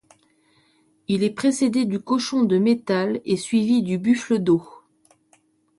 Il est précédé du cochon de métal et suivi du buffle d'eau.